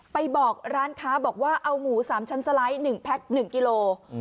ไปบอกร้านค้าบอกว่าเอาหมู๓ชั้นสไลด์๑แพ็ค๑กิโล